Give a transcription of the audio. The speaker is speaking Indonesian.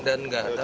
dan nggak tak ada